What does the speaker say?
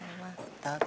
どうぞ。